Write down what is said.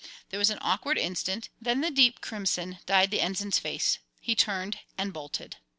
There was an awkward instant, then the deep crimson dyed the Ensign's face. He turned and bolted.